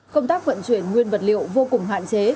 công tác vận chuyển nguyên vật liệu vô cùng hạn chế